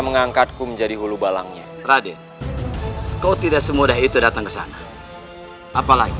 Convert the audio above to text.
mengangkatku menjadi hulu balangnya raden kau tidak semudah itu datang ke sana apalagi